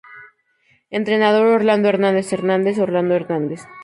Entrenador: Orlando Hernández Hernández-Orlando Hernández